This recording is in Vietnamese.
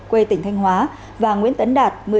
quê tỉnh thanh hóa và nguyễn tấn đạt